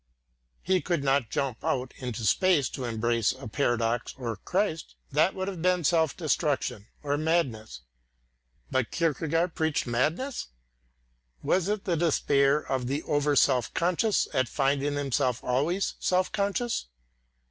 He could not jump out in space to embrace a paradox or Christ, that would have been self destruction or madness. But Kierkegaard preached madness? Was it the despair of the over self conscious at finding himself always self conscious?